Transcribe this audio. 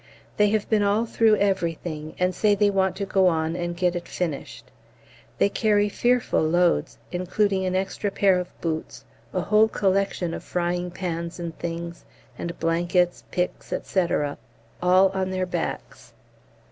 They have been all through everything, and say they want to go on and get it finished. They carry fearful loads, including an extra pair of boots, a whole collection of frying pans and things, and blankets, picks, &c., all on their backs.